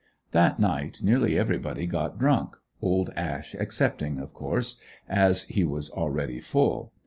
That night nearly everybody got drunk, old Ash excepted of course, as he was already full.